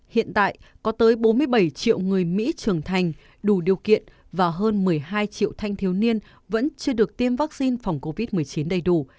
hiện tại có tới bốn mươi bảy triệu người mỹ trưởng thành đủ điều kiện và hơn một mươi hai triệu thanh thiếu niên vẫn chưa được tiêm vaccine phòng covid một mươi chín đầy đủ